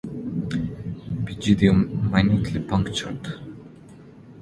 Pygidium minutely punctured.